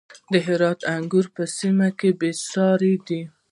د هرات انګور په سیمه کې بې ساري دي.